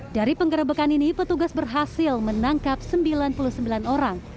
dari penggerebekan ini petugas berhasil menangkap sembilan puluh sembilan orang